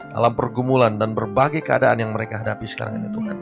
dalam pergumulan dan berbagai keadaan yang mereka hadapi sekarang ini tuhan